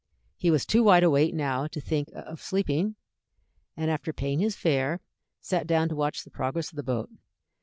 He was too wide awake now to think of sleeping, and after paying his fare, sat down to watch the progress of the boat.